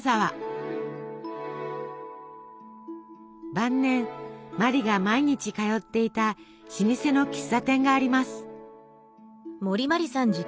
晩年茉莉が毎日通っていた老舗の喫茶店があります。